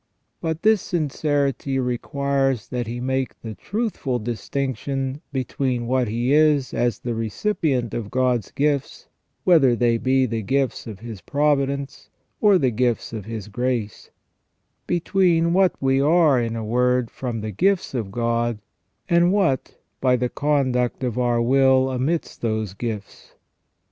But this sincerity requires that he make the truthful distinction between what he is as the recipient of God's gifts, whether they be the gifts of His providence or the gifts of His grace ; between what we are, in a word, from the gifts of God, and what by the conduct of our will amidst those gifts.